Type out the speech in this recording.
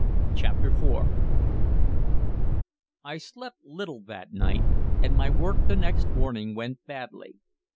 CHAPTER IV I slept little that night, and my work the next morning went badly.